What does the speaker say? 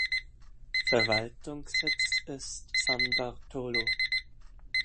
Verwaltungssitz ist San Bartolo.